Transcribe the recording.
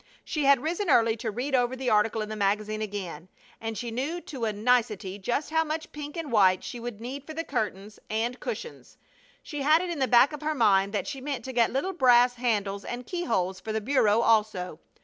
She had arisen early to read over the article in the magazine again, and she knew to a nicety just how much pink and white she would need for the curtains and cushions. She had it in the back of her mind that she meant to get little brass handles and keyholes for the bureau also.